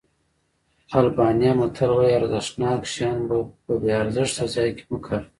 آلبانیا متل وایي ارزښتناک شیان په بې ارزښته ځای کې مه کاروئ.